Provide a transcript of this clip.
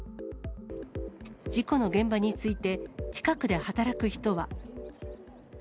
事故の現場について、近くで働く人は。